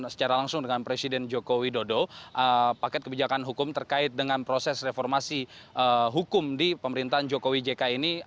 secara langsung dengan presiden joko widodo paket kebijakan hukum terkait dengan proses reformasi hukum di pemerintahan jokowi jk ini